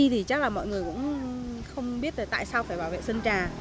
thì chắc là mọi người cũng không biết tại sao phải bảo vệ sơn trà